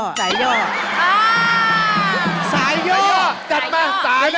สายย่อจัดมาสายย่อ